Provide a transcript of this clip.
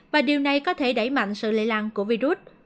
và điều này có thể đẩy mạnh sự lây lan của virus